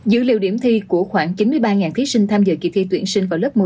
dữ liệu điểm thi của khoảng chín mươi ba thí sinh tham dự kỳ thi tuyển sinh vào lớp một